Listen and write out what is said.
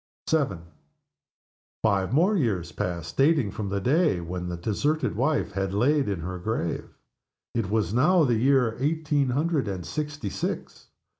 VII. Five years more passed, dating from the day when the deserted wife was laid in her grave. It was now the year eighteen hundred and sixty six.